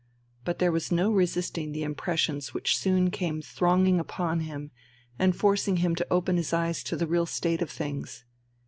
But there was no resisting the impressions which soon came thronging upon him and forcing him to open his eyes to the real state of things.